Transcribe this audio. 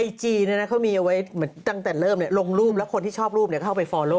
ไอจีน่ะเขามีไว้ตั้งแต่เริ่มลงรูปและคนที่ชอบรูปเข้าไปฟอร์โล่